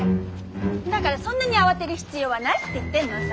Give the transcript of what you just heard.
だからそんなに慌てる必要はないって言ってんのさ。